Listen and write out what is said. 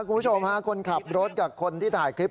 คุณผู้ชมฮะคนขับรถกับคนที่ถ่ายคลิป